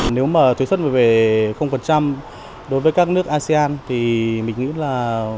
nếu mà thuế xuất về đối với các nước asean thì mình nghĩ là